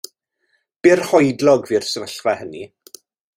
Byrhoedlog fu'r sefyllfa hynny.